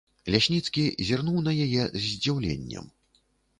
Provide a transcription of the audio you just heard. Лясніцкі зірнуў на яе з здзіўленнем.